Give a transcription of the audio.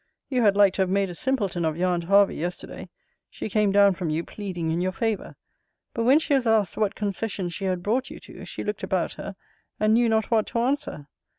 You had like to have made a simpleton of your aunt Hervey yesterday: she came down from you, pleading in your favour. But when she was asked, What concession she had brought you to? she looked about her, and knew not what to answer.